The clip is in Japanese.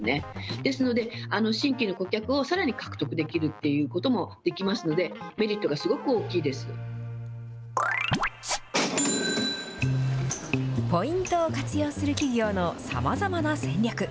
ですので、新規の顧客をさらに獲得できるっていうこともできますので、メリットがすごく大きいでポイントを活用する企業のさまざまな戦略。